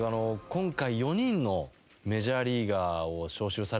今回４人のメジャーリーガーを招集されましたけれども。